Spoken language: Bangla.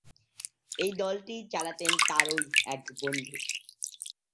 এই দলটি চালাতেন তারই এক বন্ধু।